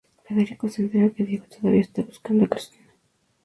Federico se entera que Diego todavía está buscando a Cristina.